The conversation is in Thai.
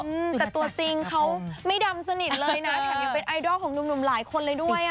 อืมแต่ตัวจริงเขาไม่ดำสนิทเลยนะแถมยังเป็นไอดอลของหนุ่มหนุ่มหลายคนเลยด้วยอ่ะ